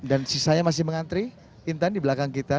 dan sisanya masih mengantri intan di belakang kita